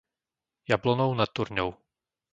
Jablonov nad Turňou